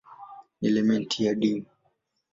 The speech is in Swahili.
Ni elementi adimu.